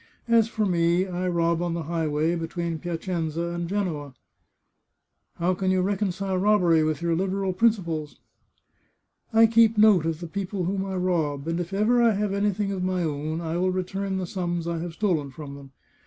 As for me, I rob on the highway between Piacenza and Genoa," " How can you reconcile robbery with your Liberal prin ciples ?"" I keep note of the people whom I rob, and if ever I have anything of my own, I will return the sums I have stolen from them.